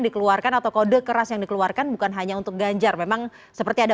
dikeluarkan atau kode keras yang dikeluarkan bukan hanya untuk ganjar memang seperti ada